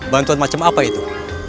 bantuan macam apa itu